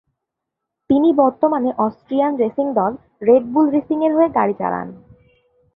তিনি বর্তমানে Austrian racing দল "রেড বুল রেসিং"-এর হয়ে গাড়ি চালান।